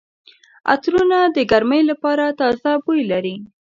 عطرونه د ګرمۍ لپاره تازه بوی لري.